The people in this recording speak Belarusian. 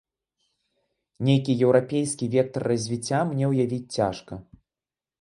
Нейкі еўрапейскі вектар развіцця мне ўявіць цяжка.